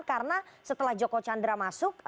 karena setelah joko chandra masuk